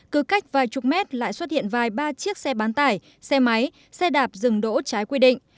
cứ cách vài chục mét lại xuất hiện vài ba chiếc xe bán tải xe máy xe đạp dừng đỗ trái quy định